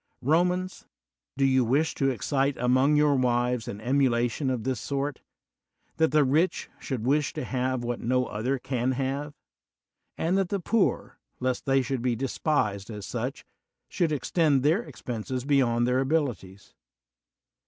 Romans, do you wish to excite among your wives an emulation of this sort, that the rich should wish to have what no other can have ; and that the poor, lest they should be despised as such, should extend their expenses beyond their abilities?